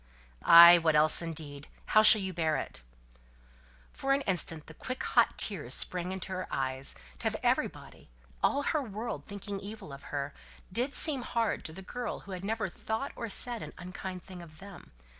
"Ay; what else, indeed? How shall you bear it?" For an instant the quick hot tears sprang into her eyes; to have everybody all her world, thinking evil of her, did seem hard to the girl who had never thought or said an unkind thing of them.